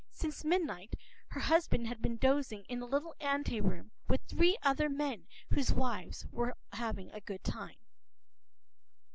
Since midnight—her husband has been dozing in a little anteroom with three other men whose wives were having a good time.